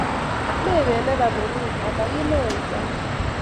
mepet neran nengung' alak inae eng' tai